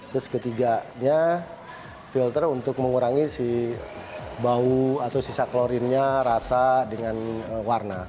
terus ketiganya filter untuk mengurangi si bau atau sisa klorinnya rasa dengan warna